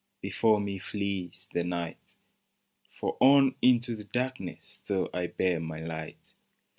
Before me flees the night, For on into the darkness still I bear my light.